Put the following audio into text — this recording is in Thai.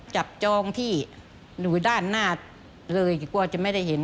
จองที่อยู่ด้านหน้าเลยกลัวจะไม่ได้เห็น